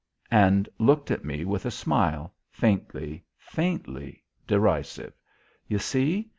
And looked at me with a smile, faintly, faintly derisive. You see?